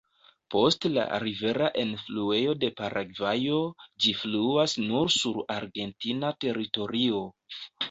Post la rivera enfluejo de Paragvajo, ĝi fluas nur sur argentina teritorio.